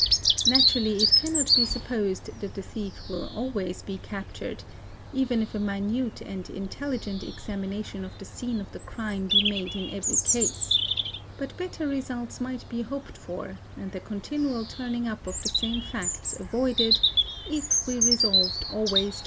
N Naturally, it cannot be supposed that the thief will be always captured even if a minute and intelligent examination of the scene of the crime be made in every case, but better results might be hoped for and the continual turning up of the same facts avoided, if we resolved always to